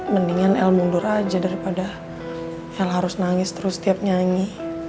mendingan el mundur aja daripada el harus nangis terus tiap nyanyi